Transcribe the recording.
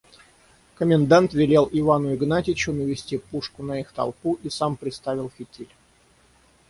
Комендант велел Ивану Игнатьичу навести пушку на их толпу и сам приставил фитиль.